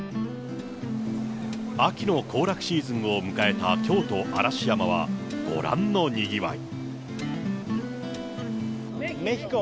秋の行楽シーズンを迎えた京都・嵐山はご覧のにぎわい。